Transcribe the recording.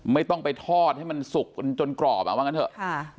ไม่ต้องไปทอดให้มันสุกจนกรอบอ่ะว่างั้นเถอะ